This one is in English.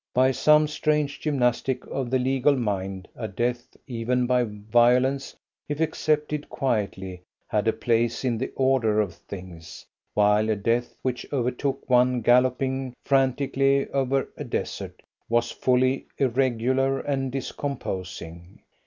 By some strange gymnastic of the legal mind a death, even by violence, if accepted quietly, had a place in the order of things, while a death which overtook one galloping frantically over a desert was wholly irregular and discomposing.